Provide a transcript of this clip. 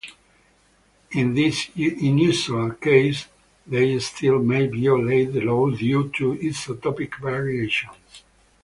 In this unusual case, they still may violate the law due to isotopic variations.